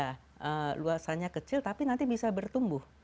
karena luasannya kecil tapi nanti bisa bertumbuh